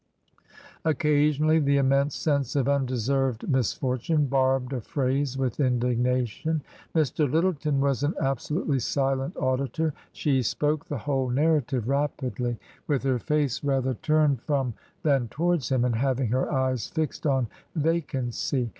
Occasionally the immense sense of undeserved mis fortune barbed a phrase with indignation. Mr. Lyttleton was an absolutely silent auditor. She spoke the whole narrative rapidly, with her face rather turned from than towards him and having her eyes fixed on vacancy.